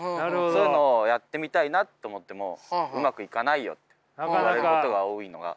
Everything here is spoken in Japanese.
そういうのをやってみたいなって思っても「うまくいかないよ」って言われることが多いのが。